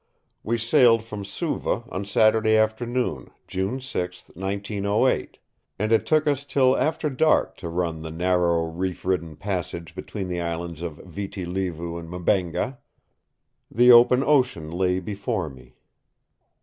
We sailed from Suva on Saturday afternoon, June 6, 1908, and it took us till after dark to run the narrow, reef ridden passage between the islands of Viti Levu and Mbengha. The open ocean lay before me.